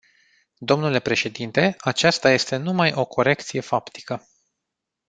Dle președinte, aceasta este numai o corecție faptică.